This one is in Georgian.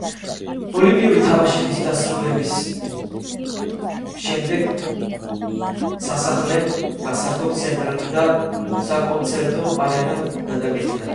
ოლიმპიური თამაშების დასრულების შემდეგ სასახლე გასართობ ცენტრად და საკონცერტო არენად გადაკეთდა.